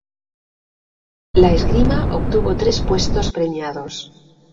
La esgrima obtuvo tres puestos premiados.